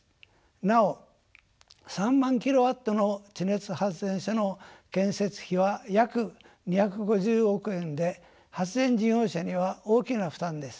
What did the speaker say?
なお３万キロワットの地熱発電所の建設費は約２５０億円で発電事業者には大きな負担です。